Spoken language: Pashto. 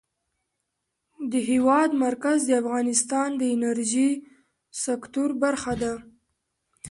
د هېواد مرکز د افغانستان د انرژۍ سکتور برخه ده.